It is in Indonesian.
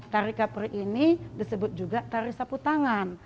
tari kapur ini disebut juga tari sapu tangan